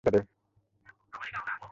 এই, জুতা দে।